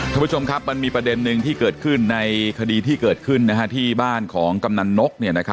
ท่านผู้ชมครับมันมีประเด็นหนึ่งที่เกิดขึ้นในคดีที่เกิดขึ้นที่บ้านของกำนันนก